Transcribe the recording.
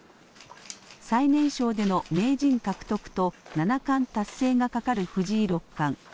最年少での名人獲得と七冠達成がかかる藤井六冠。